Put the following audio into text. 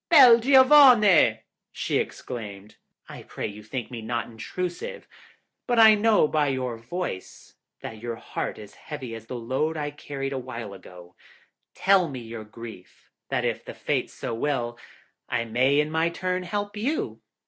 'Bel giavone!' she exclaimed, 'I pray you think me not intrusive, but I know by your voice that your heart is heavy as the load I carried awhile ago. Tell me your grief, that if the Fates so will, I may in my turn help you.'